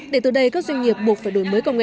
để từ đây các doanh nghiệp buộc phải đổi mới công nghệ